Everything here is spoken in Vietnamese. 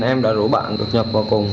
em đã rủ bạn đột nhập vào cùng